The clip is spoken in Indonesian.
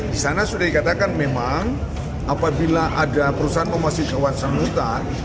di sana sudah dikatakan memang apabila ada perusahaan memasuki kawasan hutan